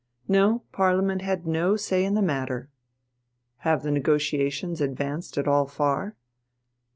No, Parliament had no say in the matter. Have the negotiations advanced at all far?